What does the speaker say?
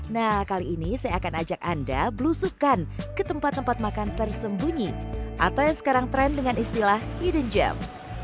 nah kali ini saya akan ajak anda belusukan ke tempat tempat makan tersembunyi atau yang sekarang tren dengan istilah hidden gem